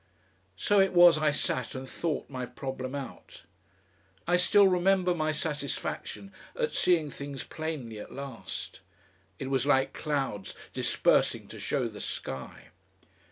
So it was I sat and thought my problem out.... I still remember my satisfaction at seeing things plainly at last. It was like clouds dispersing to show the sky.